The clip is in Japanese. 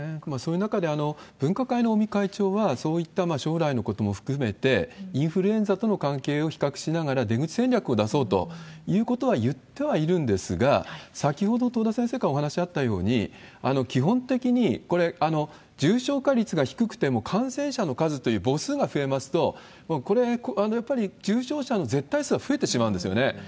そういう中で、分科会の尾身会長は、そういった将来のことも含めて、インフルエンザとの関係を比較しながら出口戦略を出そうということは言ってはいるんですが、先ほど東田先生からお話あったように、基本的にこれ、重症化率が低くても、感染者の数という母数が増えますと、これはヤッパリ重症者の絶対数は増えてしまうんですよね。